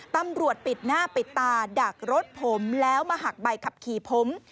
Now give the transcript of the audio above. ตำรวจปิดหน้าปิดตาดักรถผมแล้วมาหักใบขับขี่ผม